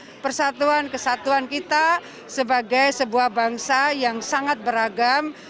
menjaga persatuan kesatuan kita sebagai sebuah bangsa yang sangat beragam